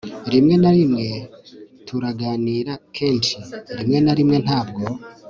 rimwe na rimwe turaganira kenshi, rimwe na rimwe ntabwo